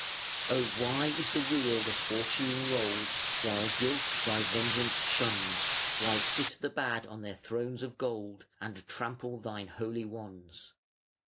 Oh! why is the wheel of Fortune rolled, While guilt Thy vengeance shuns? Why sit the bad on their thrones of gold, And trample Thine holy ones?